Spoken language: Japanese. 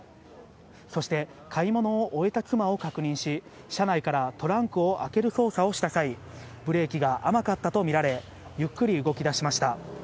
そして、買い物を終えた妻を確認し、車内からトランクを開ける操作をした際、ブレーキが甘かったと見られ、ゆっくり動きだしました。